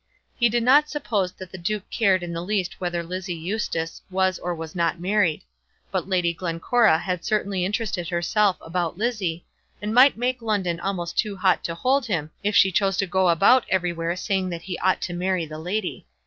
He did not suppose that the duke cared in the least whether Lizzie Eustace was or was not married; but Lady Glencora had certainly interested herself about Lizzie, and might make London almost too hot to hold him if she chose to go about everywhere saying that he ought to marry the lady.